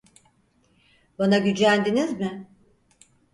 Bana gücendiniz mi?